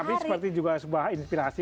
tapi seperti juga sebuah inspirasi